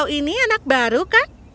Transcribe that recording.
oh ini anak baru kan